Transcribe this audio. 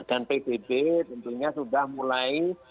nah dan pdb tentunya sudah mulai